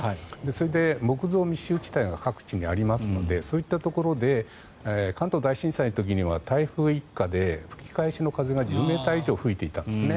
それで木造密集地帯が各地にありますのでそういうところで関東大震災の時には台風一過で、吹き返しの風が１０ｍ以上吹いていたんです。